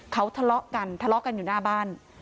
เขาทะเลาะกันทะเลาะกันอยู่หน้าบ้าน